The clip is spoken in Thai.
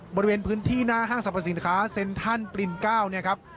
บริเวณพื้นที่หน้าห้างสรรพสินค้าเซ็นทรัลปริน๙เนี่ยครับ